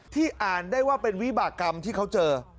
อ่านได้ว่าเป็นวิบากรรมที่เขาเจอ